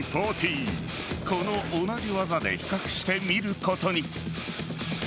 この同じ技で比較してみることに。